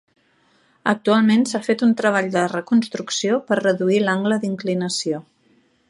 Actualment s'ha fet un treball de reconstrucció per reduir l'angle d'inclinació.